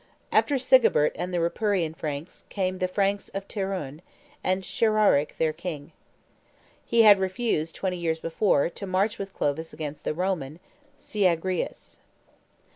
After Sigebert and the Ripuarian Franks, came the Franks of Terouanne, and Chararic their king. He had refused, twenty years before, to march with Clovis against the Roman, Syagrius.